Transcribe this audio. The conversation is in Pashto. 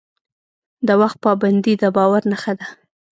د وخت پابندي د باور نښه ده.